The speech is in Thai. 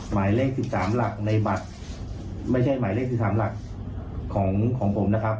หมายเลข๑๓หลักในบัตรไม่ใช่หมายเลข๑๓หลักของผมนะครับ